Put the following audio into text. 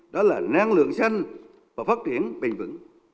đó là năng lượng xanh và phát triển bền vững